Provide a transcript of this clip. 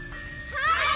はい。